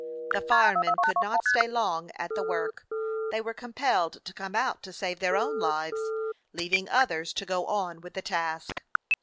The firemen could not stay long at the work; they were compelled to come out to save their own lives, leaving others to go on with the task.